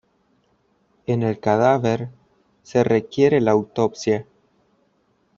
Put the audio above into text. En el cadáver, se requiere la autopsia.